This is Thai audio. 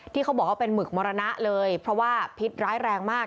เขาบอกว่าเป็นหมึกมรณะเลยเพราะว่าพิษร้ายแรงมาก